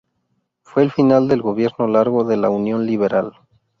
Fue el final del "gobierno largo" de la Unión Liberal.